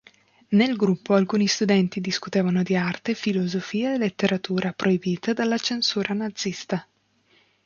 Nel gruppo alcuni studenti discutevano di arte, filosofia e letteratura proibite dalla censura nazista.